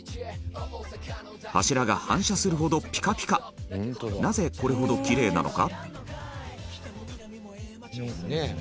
柱が反射するほど、ピカピカなぜこれほどキレイなのか？